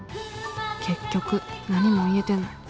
結局何も言えてない。